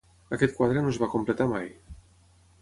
Aquest quadre no es va completar mai.